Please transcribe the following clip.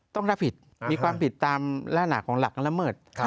ต้องรับผิดมีความผิดตามลักษณะของหลักละเมิด